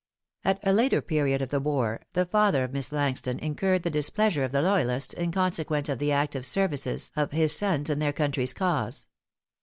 At a later period of the war, the father of Miss Langston incurred the displeasure of the loyalists in consequence of the active services of his sons in their country's cause.